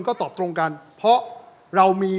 ก็ตอบตรงกันเพราะเรามี